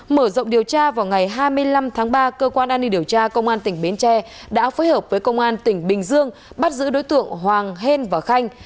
mở rộng điều tra vào ngày hai mươi năm tháng ba cơ quan an ninh điều tra công an tỉnh bến tre đã phối hợp với công an tỉnh bình dương bắt giữ đối tượng hoàng hên và khanh